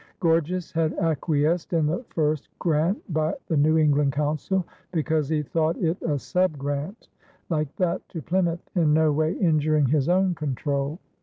Gorges had acquiesced in the first grant by the New England Council because he thought it a sub grant, like that to Plymouth, in no way injuring his own control.